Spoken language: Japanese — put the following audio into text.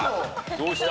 どうした？